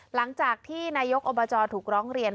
หลังจากที่นายกอบจถูกร้องเรียน